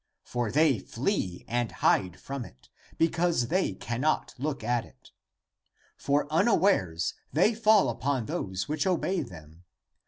For they flee and hide from it, because they cannot look at it. For unawares they fall upon those which obey them.